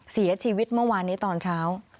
เสียชีวิตเมื่อวานนี้ตอนเช้า